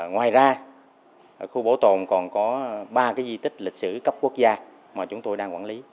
ngoài ra khu bảo tồn còn có ba cái di tích lịch sử cấp quốc gia